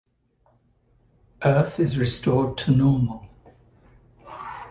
Earth is restored to normal.